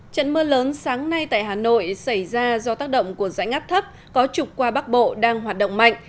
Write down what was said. trận mưa lớn sáng nay tại hà nội xảy ra do tác động của dãy ngắp thấp có trục qua bắc bộ đang hoạt động mạnh